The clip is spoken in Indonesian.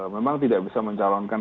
memang tidak bisa mencalonkan